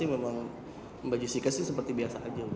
memang mbak jessica sih seperti biasa aja